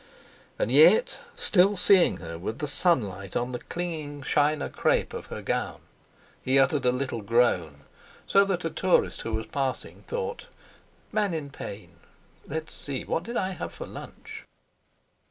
And yet, still seeing her with the sunlight on the clinging China crepe of her gown, he uttered a little groan, so that a tourist who was passing, thought: "Man in pain! Let's see! what did I have for lunch?"